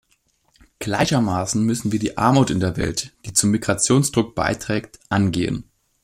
Gleichermaßen müssen wir die Armut in der Welt, die zum Migrationsdruck beiträgt, angehen.